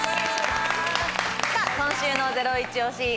さぁ今週のゼロイチ推し